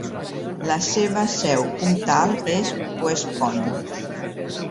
La seva seu comtal és West Point.